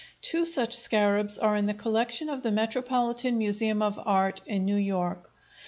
Two such scarabs are in the collection of the Metropolitan Museum of Art in New York.